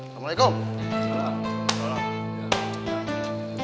jalan dulu ya